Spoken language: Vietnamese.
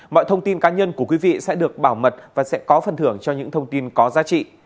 mọi thông tin cá nhân của quý vị sẽ được bảo mật và sẽ có phần thưởng cho những thông tin có giá trị